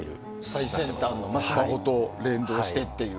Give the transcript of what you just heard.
最先端のスマホと連動してっていう。